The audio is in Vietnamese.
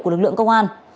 của lực lượng công an